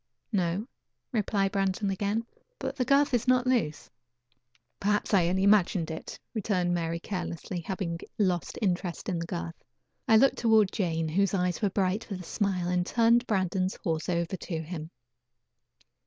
"No," replied Brandon again. "But the girth is not loose." "Perhaps I only imagined it," returned Mary carelessly, having lost interest in the girth. I looked toward Jane, whose eyes were bright with a smile, and turned Brandon's horse over to him.